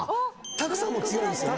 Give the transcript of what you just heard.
拓さんも強いんですよね。